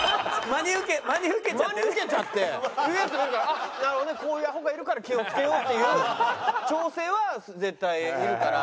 あっなるほどねこういうアホがいるから気を付けようっていう調整は絶対いるから。